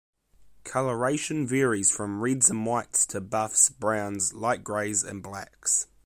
Colouration varies from reds and whites to buffs, browns, light greys, and blacks.